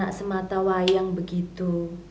anak semata wayang begitu